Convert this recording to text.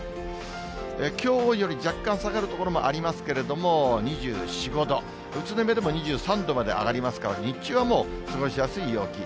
きょうより若干下がる所もありますけれども、２４、５度、宇都宮でも２３度まで上がりますから、日中はもう過ごしやすい陽気。